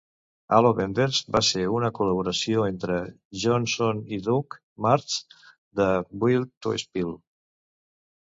Halo Benders va ser una col·laboració entre Johnson i Doug Martsch de Built To Spill.